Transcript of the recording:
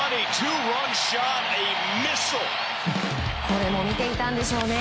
これも見ていたんでしょうね。